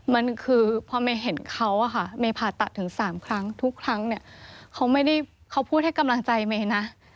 มันคือพอเมย์เห็นเขาอะค่ะเมผ่าตัดถึง๓ครั้งทุกครั้งเนี่ยเขาไม่ได้เขาพูดให้กำลังใจเมย์นะ